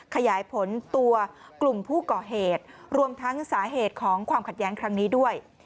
ขยายผลตัวกลุ่มผู้ก่อเหตุรวมทั้งสาเหตุของความขัดแย้งครั้งนี้ด้วย